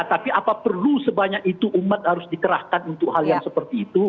tapi apa perlu sebanyak itu umat harus dikerahkan untuk hal yang seperti itu